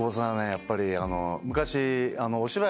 やっぱり昔。